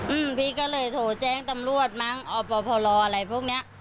อืมพี่ก็เลยโทรแจ้งตำรวจมั้งอปพลอะไรพวกเนี้ย